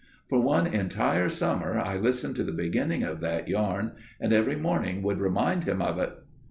For one entire summer I listened to the beginning of that yarn and every morning would remind him of it.